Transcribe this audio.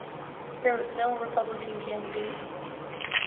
There was no Republican candidate.